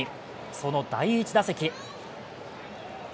その第１打席。